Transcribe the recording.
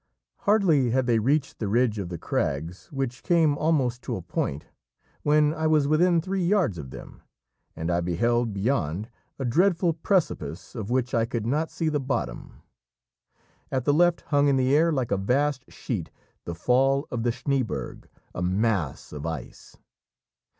Hardly had they reached the ridge of the crags, which came almost to a point, when I was within three yards of them, and I beheld beyond a dreadful precipice of which I could not see the bottom. At the left hung in the air like a vast sheet the fall of the Schnéeberg, a mass of ice.